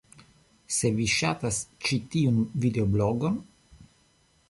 Se vi ŝatas ĉi tiun videoblogon